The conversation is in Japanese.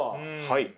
はい。